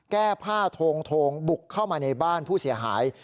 แก้ผ้าโทงบุกเข้ามาในบ้านผู้เสียหาย